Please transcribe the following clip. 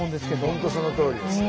本当そのとおりです。